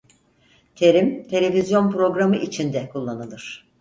Terim televizyon programı için de kullanılır.